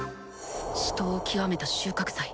死闘を極めた収穫祭